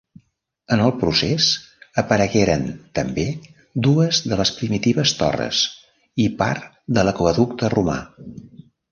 En el procés aparegueren, també, dues de les primitives torres i part de l'aqüeducte romà.